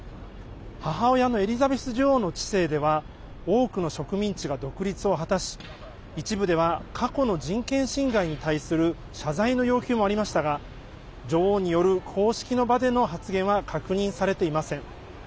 母親のエリザベス女王の治世では多くの植民地が独立を果たし一部では過去の人権侵害に対する謝罪の要求もありましたが女王による、公式の場での発言は確認されていません。